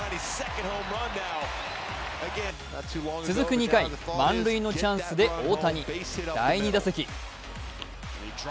続く２回、満塁のチャンスで大谷。